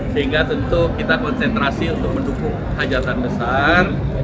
sehingga tentu kita konsentrasi untuk mendukung hajatan besar